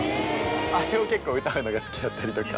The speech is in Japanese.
あれを結構歌うのが好きだったりとか。